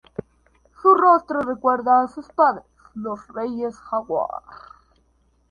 Su rostro recuerda a sus padres, los reyes jaguar.